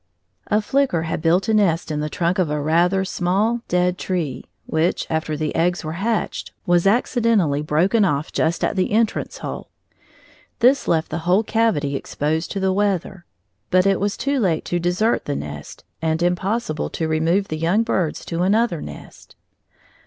A flicker had built a nest in the trunk of a rather small dead tree which, after the eggs were hatched, was accidentally broken off just at the entrance hole. This left the whole cavity exposed to the weather; but it was too late to desert the nest, and impossible to remove the young birds to another nest.